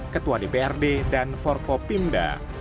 ketua dprd dan forkopimda